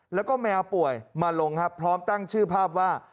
แล้วก็แมวป่วยมาลงครับพร้อมตั้งชื่อภาพว่า